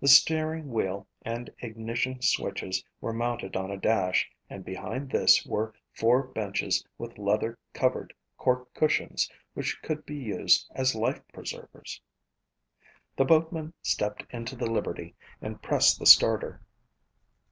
The steering wheel and ignition switches were mounted on a dash and behind this were four benches with leather covered cork cushions which could be used as life preservers. The boatman stepped into the Liberty and pressed the starter.